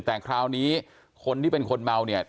แต่คราวนี้คนที่เป็นคนเมาเนี่ย